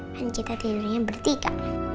kan kita tidurnya bertiga